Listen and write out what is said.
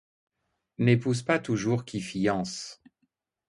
N'épouse pas toujours qui fiance.